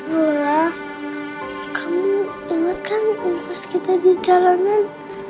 aura kamu inget kan pas kita di jalanan